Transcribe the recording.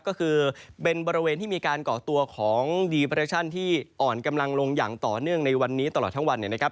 ก็คือเป็นบริเวณที่มีการก่อตัวของดีเปรชั่นที่อ่อนกำลังลงอย่างต่อเนื่องในวันนี้ตลอดทั้งวันเนี่ยนะครับ